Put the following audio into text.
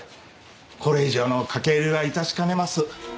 これ以上の掛け売りは致しかねます